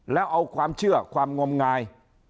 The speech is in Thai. แล้วเอาความเชื่อความงมงาย